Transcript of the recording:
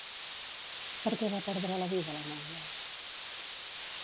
Per què va perdre la vida la noia?